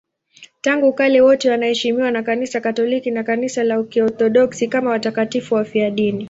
Tangu kale wote wanaheshimiwa na Kanisa Katoliki na Kanisa la Kiorthodoksi kama watakatifu wafiadini.